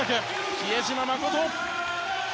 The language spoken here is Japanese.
比江島慎。